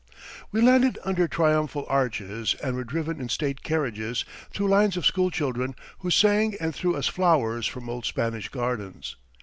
We landed under triumphal arches and were driven in state carriages through lines of school children, who sang and threw us flowers from old Spanish gardens.